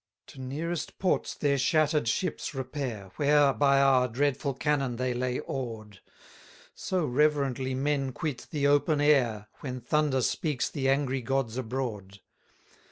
23 To nearest ports their shatter'd ships repair, Where by our dreadful cannon they lay awed: So reverently men quit the open air, When thunder speaks the angry gods abroad.